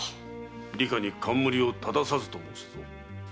「李下に冠を整さず」と申すぞ。